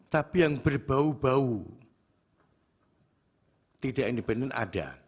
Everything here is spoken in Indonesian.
tapi yang berbau bau tidak independen ada